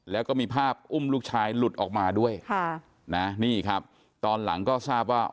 แล้วก็มีภาพอุ้มลูกชายหลุดออกมาด้วยค่ะนะนี่ครับตอนหลังก็ทราบว่า